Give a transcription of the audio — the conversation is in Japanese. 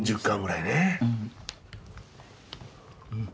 １０貫くらいね。